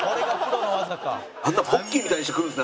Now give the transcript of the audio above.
ポッキーみたいにして食うんですね